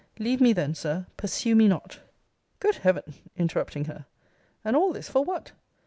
Leave me then, Sir, pursue me not! Good Heaven! [interrupting her] and all this, for what?